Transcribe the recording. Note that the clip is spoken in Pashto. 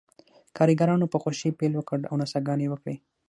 کارګرانو په خوښۍ پیل وکړ او نڅاګانې یې وکړې